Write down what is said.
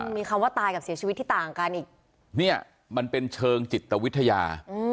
มีคำว่าตายกับเสียชีวิตที่ต่างกันอีกเนี่ยมันเป็นเชิงจิตวิทยา